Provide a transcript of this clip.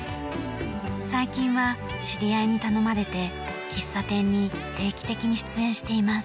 最近は知り合いに頼まれて喫茶店に定期的に出演しています。